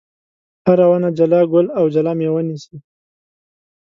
هره ونه جلا ګل او جلا مېوه نیسي.